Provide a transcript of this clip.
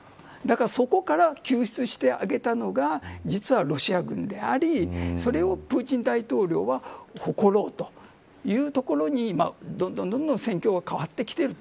そこから救出してあげたのが実はロシア軍でありそれをプーチン大統領は誇ろうというところにどんどん戦況が変わってきている。